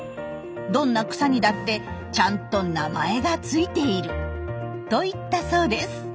どんな草にだってちゃんと名前が付いている」と言ったそうです。